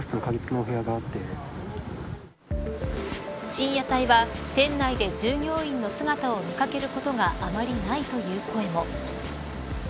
深夜帯は店内で従業員の姿を見かけることがあんまりないという声も。